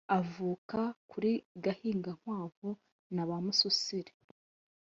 Avuka kuri Gahigankwavu na Bamususire